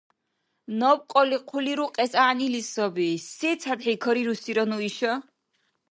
Наб кьалли хъули рукьес гӀягӀнили саби, сецадхӀи карирусира ну иша?